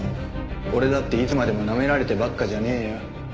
俺だっていつまでもなめられてばっかじゃねえよ。